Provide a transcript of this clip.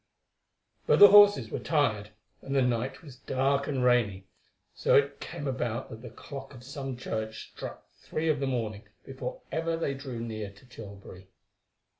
But the horses were tired, and the night was dark and rainy, so it came about that the clock of some church struck three of the morning before ever they drew near to Tilbury.